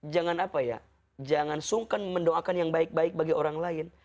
jangan sungkan mendoakan yang baik baik bagi orang lain